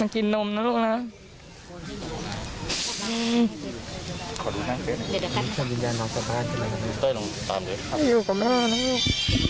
จะกินนมนะลูกนะครับ